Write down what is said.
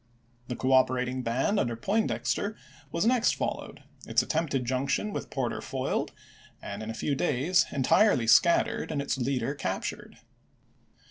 The cooperating band under Poindexter was next followed, its attempted junction with Porter foiled, and in a few days entii*ely scattered and its leader captured.